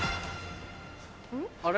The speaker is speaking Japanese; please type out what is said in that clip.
あれ？